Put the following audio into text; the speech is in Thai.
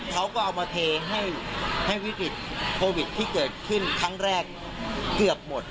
เขาก็เอามาเทให้วิกฤตโควิดที่เกิดขึ้นครั้งแรกเกือบหมด